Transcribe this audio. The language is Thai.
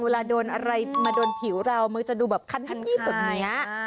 เวลามาโดนผิวเราเมื่อมาจะดูแบบคันเฮปปีกแบบนี้